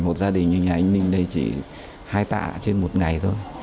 một gia đình như nhà anh ninh đây chỉ hai tạ trên một ngày thôi